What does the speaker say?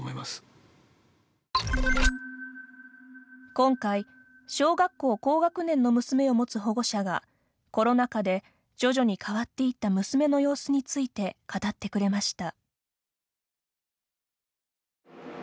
今回小学校高学年の娘を持つ保護者がコロナ禍で徐々に変わっていった娘の様子について語ってくれました。